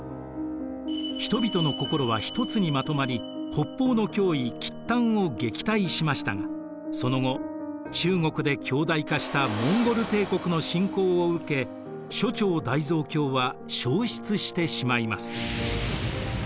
人々の心はひとつにまとまり北方の脅威契丹を撃退しましたがその後中国で強大化したモンゴル帝国の侵攻を受け初彫大蔵経は焼失してしまいます。